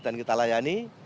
dan kita layani